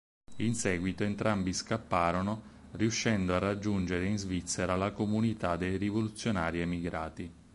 In seguito entrambi scapparono riuscendo a raggiungere in Svizzera la comunità dei rivoluzionari emigrati.